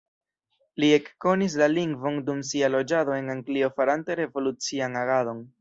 Li ekkonis la lingvon dum sia loĝado en Anglio farante revolucian agadon.